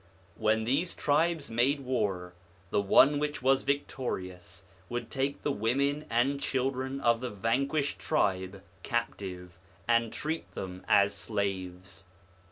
When these tribes made war, the one which was victorious would take the women and children of the vanquished tribe captive, and treat them as slaves.